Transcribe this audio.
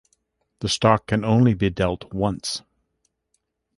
The stock can only be dealt once.